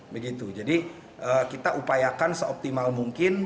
begitu jadi kita upayakan seoptimal mungkin